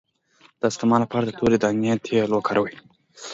د استما لپاره د تورې دانې تېل وکاروئ